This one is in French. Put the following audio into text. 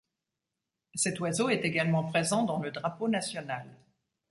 Cet oiseau est également présent dans le drapeau national.